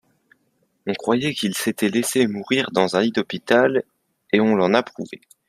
On croyait qu'il s'etait laisse mourir dans un lit d'hôpital, et on l'en approuvait.